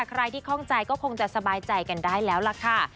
ใครที่คล่องใจก็คงจะสบายใจกันได้แล้วล่ะค่ะ